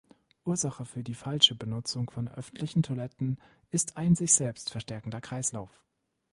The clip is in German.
Ursache für die falsche Benutzung von öffentlichen Toiletten ist ein sich selbst verstärkender Kreislauf.